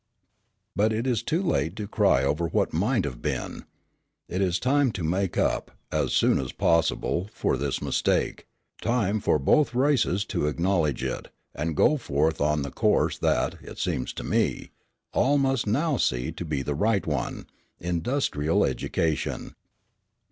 But it is too late to cry over what might have been. It is time to make up, as soon as possible, for this mistake, time for both races to acknowledge it, and go forth on the course that, it seems to me, all must now see to be the right one, industrial education.